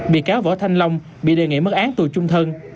bị cáo võ thanh long bị đề nghị mức án tù chung thân